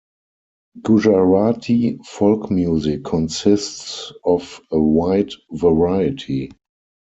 Gujarati folk music consists of a wide variety.